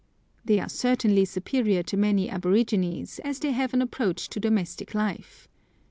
They are certainly superior to many aborigines, as they have an approach to domestic life.